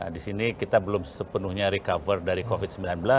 di sini kita belum sepenuhnya recover dari covid sembilan belas